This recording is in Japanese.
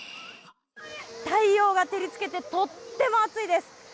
太陽が照りつけて、とっても暑いです。